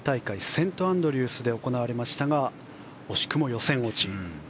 セントアンドリュースで行われましたが惜しくも予選落ち。